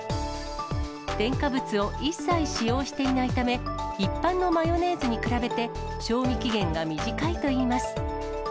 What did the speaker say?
添加物を一切使用していないため、一般のマヨネーズに比べて賞味期限が短いといいます。